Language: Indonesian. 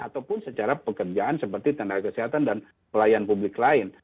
ataupun secara pekerjaan seperti tenaga kesehatan dan pelayan publik lain